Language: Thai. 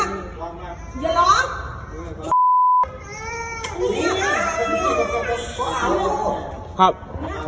หนูอยากกลับบ้านหนูไม่คิดถ้าเขาอยากกลับบ้าน